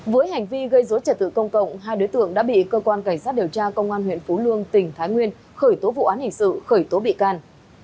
với hành vi gây dối trật tự công cộng hai đối tượng đã bị cơ quan cảnh sát điều tra công an huyện phú lương tỉnh thái nguyên khởi tố vụ án hình sự khởi tố bị can